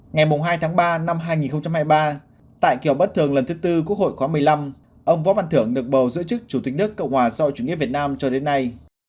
ngày hai tháng ba năm hai nghìn hai mươi ba tại kiều bất thường lần thứ tư quốc hội khóa một mươi năm ông võ văn thưởng được bầu giữ chức chủ tịch nước cộng hòa sau chủ nghĩa việt nam cho đến nay